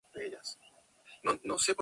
Le va a las chivas de la uanl